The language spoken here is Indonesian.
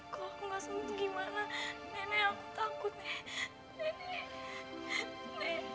kalau aku gak sempat gimana nenek aku takut nek